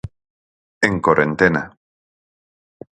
En corentena.